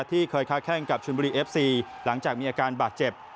ที่เคยค้าแข้งกับชนบุรีเอฟซีหลังจากมีอาการบาดเจ็บ